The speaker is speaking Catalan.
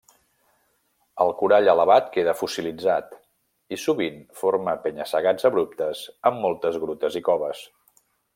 El corall elevat queda fossilitzat i sovint forma penya-segats abruptes amb moltes grutes i coves.